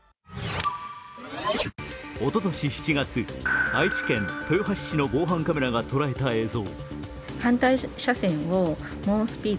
おととし７月、愛知県豊橋市の防犯カメラが捉えた映像。